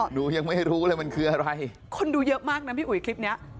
หนูยังไม่รู้เลยมันคืออะไรคนดูเยอะมากนะพี่อุ๋ยคลิปเนี้ย